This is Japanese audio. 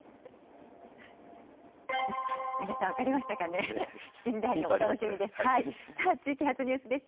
皆さん、分かりましたかね、７時台にお楽しみです。